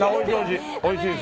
おいしい！